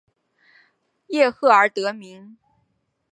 叶赫而得名。